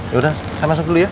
yaudah saya masuk dulu ya